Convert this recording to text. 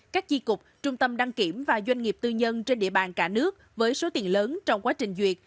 các chi cục trung tâm đăng kiểm và doanh nghiệp tư nhân trên địa bàn cả nước với số tiền lớn trong quá trình duyệt